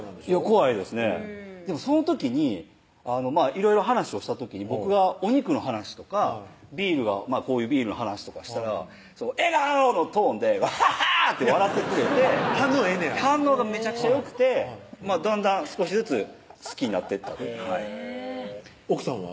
怖いですねでもその時にいろいろ話をした時に僕がお肉の話とかこういうビールの話とかしたら「えがおー‼」のトーンでワハハーッて笑ってくれて反応ええねや反応がめちゃくちゃよくてだんだん少しずつ好きになってったと奥さんは？